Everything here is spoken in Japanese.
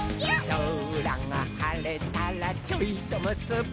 「そらがはれたらちょいとむすび」